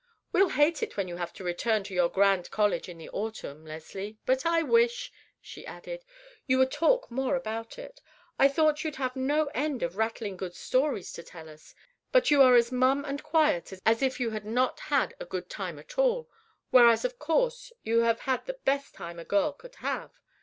We'll hate it when you have to return to your grand college in the autumn, Leslie; but I wish," she added, "you would talk more about it. I thought you'd have no end of rattling good stories to tell us; but you are as mum and quiet as if you had not had a good time at all, whereas, of course, you have had the very best time a girl could have.